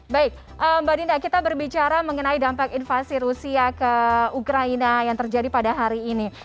baik mbak dinda kita berbicara mengenai dampak invasi rusia ke ukraina yang terjadi pada hari ini